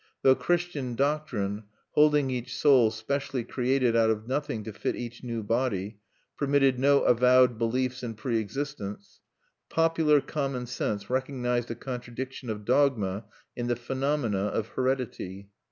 Though Christian doctrine, holding each soul specially created out of nothing to fit each new body, permitted no avowed beliefs in pre existence, popular common sense recognized a contradiction of dogma in the phenomena of heredity.